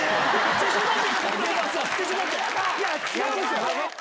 ⁉自信持って！